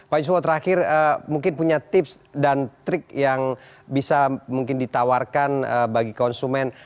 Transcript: pak yuswo terakhir mungkin punya tips dan trik yang bisa mungkin ditawarkan bagi konsumen